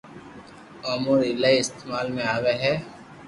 او اموري ايلائي استعمال ۾ آوي ھي